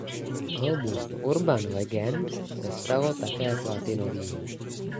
Album "Urban Legend" se stalo také platinovým.